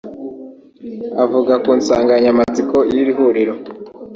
Avuga ku nsanganyamatsiko y’iri huriro